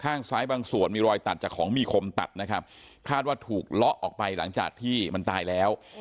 ข้างซ้ายบางส่วนมีรอยตัดจากของมีคมตัดนะครับคาดว่าถูกเลาะออกไปหลังจากที่มันตายแล้ว